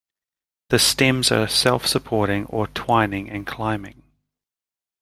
The stems are self-supporting or twining and climbing.